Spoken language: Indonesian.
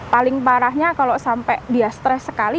paling parahnya kalau sampai dia stres sekali